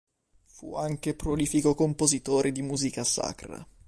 Fu anche prolifico compositore di musica sacra.